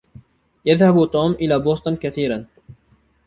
يذهب توم إلى بوسطن كثيرًا.